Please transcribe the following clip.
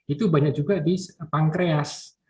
itu banyak juga di pankreas